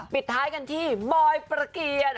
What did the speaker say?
ปิดท้ายกันที่บอยประเกียร